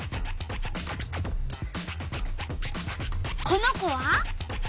この子は？